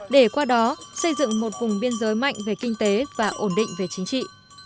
để qua đó xây dựng một vùng biên giới mạnh về kinh tế và ổn định về chính trị